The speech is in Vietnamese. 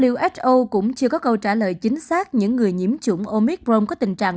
uso cũng chưa có câu trả lời chính xác những người nhiễm chủng omicron có tình trạng